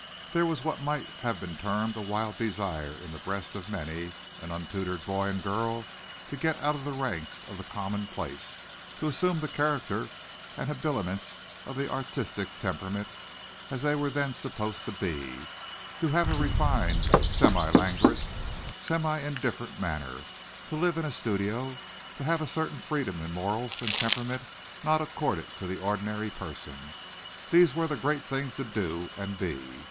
There was what might have been termed a wild desire in the breast of many an untutored boy and girl to get out of the ranks of the commonplace; to assume the character and the habiliments of the artistic temperament as they were then supposed to be; to have a refined, semi languorous, semi indifferent manner; to live in a studio, to have a certain freedom in morals and temperament not accorded to the ordinary person these were the great things to do and be.